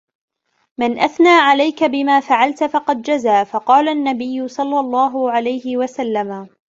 مَنْ أَثْنَى عَلَيْكَ بِمَا فَعَلْت فَقَدْ جَزَى فَقَالَ النَّبِيُّ صَلَّى اللَّهُ عَلَيْهِ وَسَلَّمَ